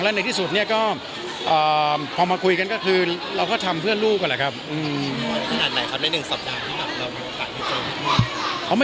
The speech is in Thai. แล้วในที่สุดพอมาคุยกันก็คือเราก็ทำเพื่อนลูกก่อนแหละครับ